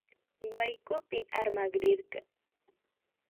Waykupi armakrirka